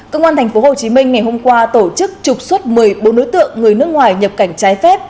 công an tp hcm ngày hôm qua tổ chức trục xuất một mươi bốn đối tượng người nước ngoài nhập cảnh trái phép